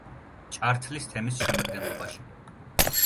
ჭართლის თემის შემადგენლობაში.